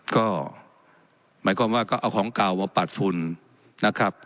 ก็หมายความว่าก็เอาของเก่ามาปัดฝุ่นนะครับ